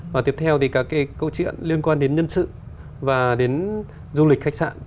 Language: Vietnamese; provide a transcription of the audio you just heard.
và tiếp theo thì các cái câu chuyện liên quan đến nhân sự và đến du lịch khách sạn